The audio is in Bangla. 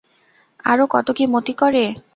আরও কত কী মতি করে।